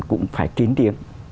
cũng phải kín tiếng